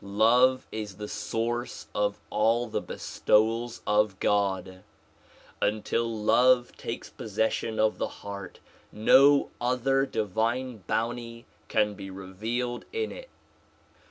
Love is the source of all the bestowals of God. Until love takes possession of the heart no other divine bounty can be revealed in it.